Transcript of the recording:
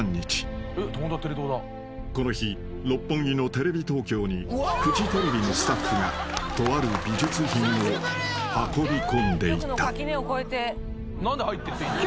［この日六本木のテレビ東京にフジテレビのスタッフがとある美術品を運びこんでいた］